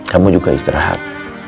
kamu juga istirahat